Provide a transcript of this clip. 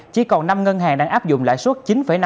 chỉ còn năm ngân hàng đang áp dụng lãi suất